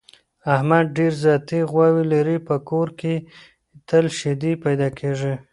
احمد ډېره ذاتي غوا لري، په کور کې یې تل شیدې پیدا کېږي.